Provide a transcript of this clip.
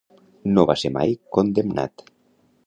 No va ser mai condemnat.